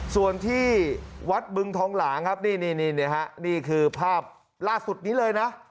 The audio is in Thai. ส่วนที่วัดบึงทองหลางครับนี่นี่คือภาพล่าสุดนี้เลยนะ